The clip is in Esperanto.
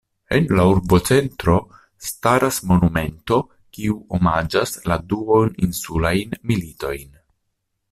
En la urbocentro staras monumento, kiu omaĝas la duoninsulajn militojn.